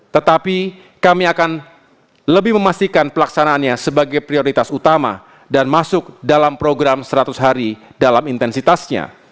tetapi kami akan lebih memastikan pelaksanaannya sebagai prioritas utama dan masuk dalam program seratus hari dalam intensitasnya